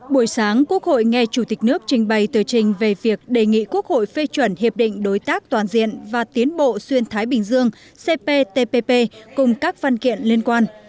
buổi sáng quốc hội nghe chủ tịch nước trình bày tờ trình về việc đề nghị quốc hội phê chuẩn hiệp định đối tác toàn diện và tiến bộ xuyên thái bình dương cptpp cùng các văn kiện liên quan